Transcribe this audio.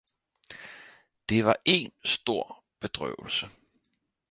Det var en stor bedrøvelse!